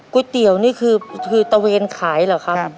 ก๋วยเตี๋ยวนี่คือตะเวนขายเหรอครับ